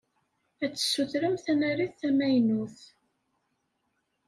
Ad tessutrem tanarit tamaynut.